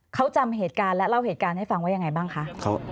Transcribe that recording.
เขาจำเหตุการณ์และเล่าเหตุการณ์ให้ฟังว่ายังไงบ้างคะ